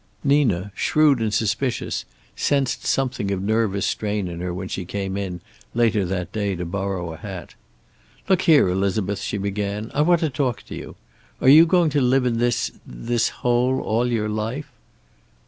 Nina, shrewd and suspicious, sensed something of nervous strain in her when she came in, later that day, to borrow a hat. "Look here, Elizabeth," she began, "I want to talk to you. Are you going to live in this this hole all your life?"